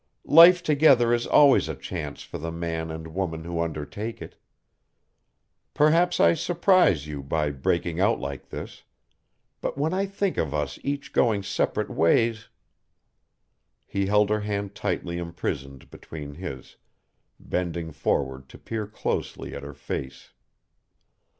"Life together is always a chance for the man and woman who undertake it. Perhaps I surprise you by breaking out like this. But when I think of us each going separate ways " He held her hand tightly imprisoned between his, bending forward to peer closely at her face.